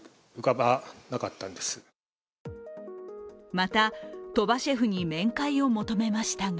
また、鳥羽シェフに面会を求めましたが